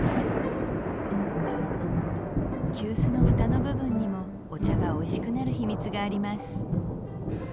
急須の蓋の部分にもお茶がおいしくなる秘密があります